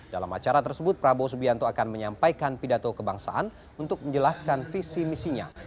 dalam acara tersebut prabowo subianto akan menyampaikan pidato kebangsaan untuk menjelaskan visi misinya